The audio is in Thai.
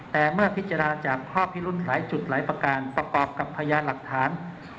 แต่เมื่อพิจารณาจากข้อพิรุธหลายจุดหลายประการประกอบกับพยานหลักฐาน